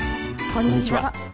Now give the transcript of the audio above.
こんにちは。